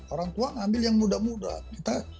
orang tua ngambil yang muda muda